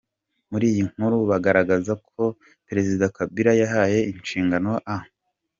Muri iyi nkuru bagaragaza ko Perezida Kabila yahaye inshingano Amb.